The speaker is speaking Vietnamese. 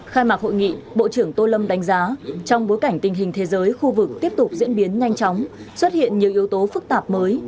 khai mạc hội nghị bộ trưởng tô lâm đánh giá trong bối cảnh tình hình thế giới khu vực tiếp tục diễn biến nhanh chóng xuất hiện nhiều yếu tố phức tạp mới